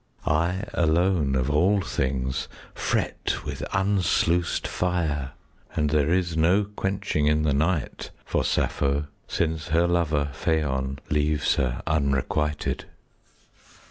I alone of all things Fret with unsluiced fire. And there is no quenching 15 In the night for Sappho, Since her lover Phaon Leaves her unrequited.